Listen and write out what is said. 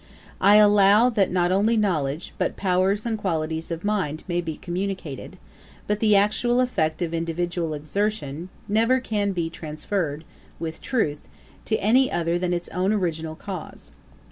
I allow that not only knowledge, but powers and qualities of mind may be communicated; but the actual effect of individual exertion never can be transferred, with truth, to any other than its own original cause.